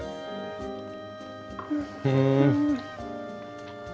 うん。